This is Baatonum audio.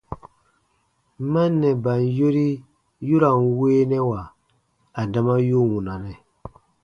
Mannɛban baa yori yu ra n weenɛwa adama yu wunanɛ.